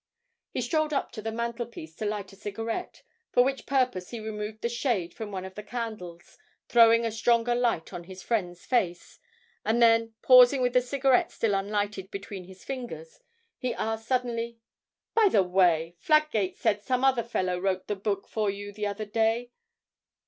He strolled up to the mantelpiece to light a cigarette, for which purpose he removed the shade from one of the candles, throwing a stronger light on his friend's face, and then, pausing with the cigarette still unlighted between his fingers, he asked suddenly: 'By the way, Fladgate said some other fellow wrote the book for you the other day!'